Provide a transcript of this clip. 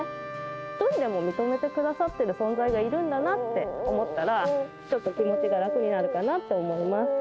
１人でも認めてくださっている存在がいるんだなって思ったら、思ったら、ちょっと気持ちが楽になるかなと思います。